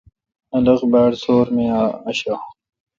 خلق باڑ سور می اشہ۔